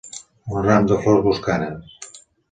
Un ram de flors boscanes.